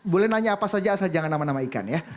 boleh nanya apa saja asal jangan nama nama ikan ya